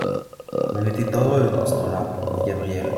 On était heureux dans ce temps-là, dit Gabrielle.